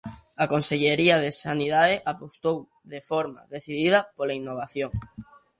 A Consellería de Sanidade apostou de forma decidida pola innovación.